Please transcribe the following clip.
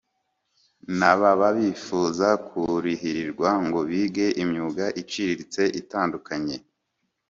n ababa bifuza kurihirwa ngo bige imyuga iciriritse itandukanye